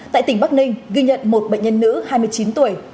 tại tỉnh bắc ninh ghi nhận một bệnh nhân nữ hai mươi chín tuổi